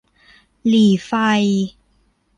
หรี่ไฟ